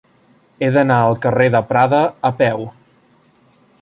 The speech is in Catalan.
He d'anar al carrer de Prada a peu.